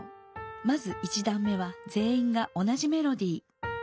まず１だん目は全員が同じメロディー。